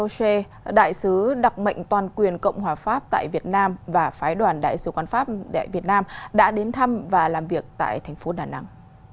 oce đại sứ đặc mệnh toàn quyền cộng hòa pháp tại việt nam và phái đoàn đại sứ quán pháp tại việt nam đã đến thăm và làm việc tại thành phố đà nẵng